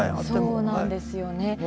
そうなんですよね。